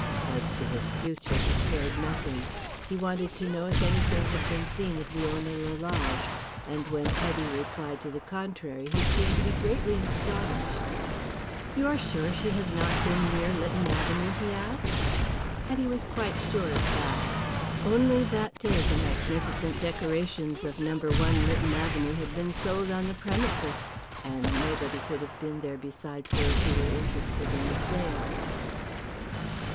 As to his future he cared nothing. He wanted to know if anything had been seen of Leona Lalage, and when Hetty replied to the contrary he seemed to be greatly astonished. "You are sure she has not been near Lytton Avenue?" he asked. Hetty was quite sure of that. Only that day the magnificent decorations of No. 1, Lytton Avenue, had been sold on the premises, and nobody could have been there besides those who were interested in the sale.